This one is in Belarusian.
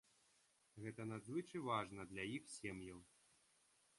Гэта надзвычай важна для іх сем'яў.